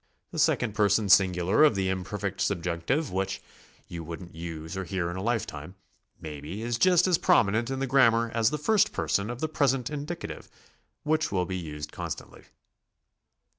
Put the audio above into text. The second person singular of the imperfect subjunctive, which you wouldn't use or hear in a lifetime, maybe, is just as prominent in the grammar as the first person of the present indicative, which will be used constantly.